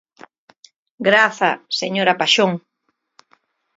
Graza, señora Paxón.